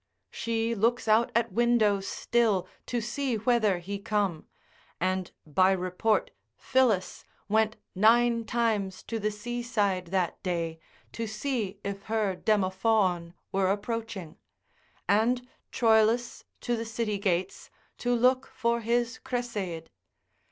She looks out at window still to see whether he come, and by report Phillis went nine times to the seaside that day, to see if her Demophoon were approaching, and Troilus to the city gates, to look for his Cresseid.